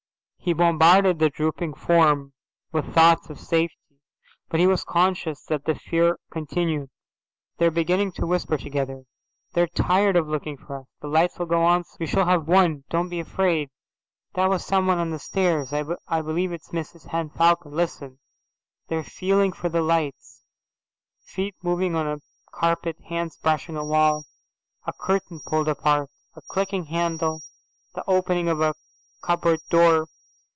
He bombarded the drooping form with thoughts of safety, but he was conscious that the fear continued. "They are beginning to whisper together. They are tired of looking for us. The lights will go on soon. We shall have won. Don't be afraid. That was someone on the stairs. I believe it's Mrs Henne Falcon. Listen. They are feeling for the lights." Feet moving on a carpet, hands brushing a wall, a curtain pulled apart, a clicking handle, the opening of a cupboard door.